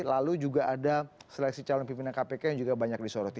lalu juga ada seleksi calon pimpinan kpk yang juga banyak disoroti